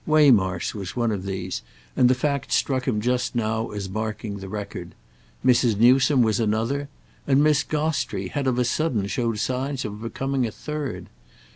Waymarsh was one of these, and the fact struck him just now as marking the record. Mrs. Newsome was another, and Miss Gostrey had of a sudden shown signs of becoming a third.